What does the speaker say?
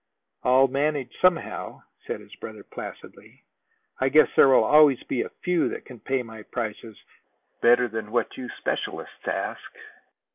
"I'll manage somehow," said his brother placidly. "I guess there will always be a few that can pay my prices better than what you specialists ask."